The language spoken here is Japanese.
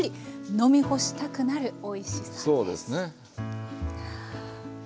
飲み干したくなるおいしさです。